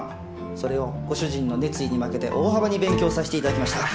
それをご主人の熱意に負けて大幅に勉強させていただきました。